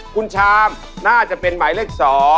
คุณชามน่าจะเป็นหมายเลข๒